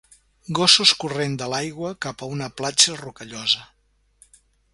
Gossos corrent de l'aigua cap a una platja rocallosa.